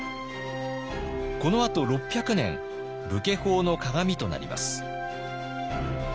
このあと６００年武家法の鑑となります。